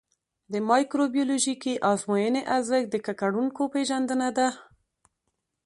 د مایکروبیولوژیکي ازموینې ارزښت د ککړونکو پېژندنه ده.